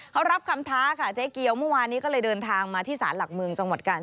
เขารับคำท้าค่ะเจ๊เกียวเมื่อวานนี้ก็เลยเดินทางมาที่ศาลหลักเมืองจังหวัดกาล